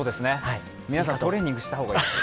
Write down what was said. みなさん、トレーニングした方がいいです。